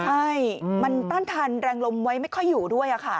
ใช่มันต้านทานแรงลมไว้ไม่ค่อยอยู่ด้วยค่ะ